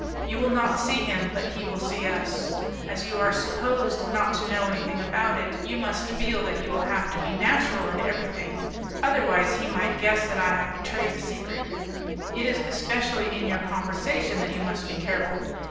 You will not see him, but he will see us. As you are supposed not to know anything about it, you must feel that you will have to be natural in everything, otherwise, he might guess that I have betrayed the secret. It is especially in your conversation that you must be careful.